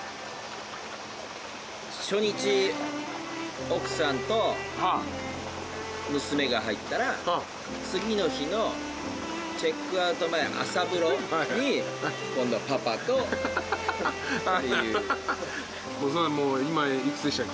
初日奥さんと娘が入ったら次の日のチェックアウト前朝風呂に今度はパパとっていう。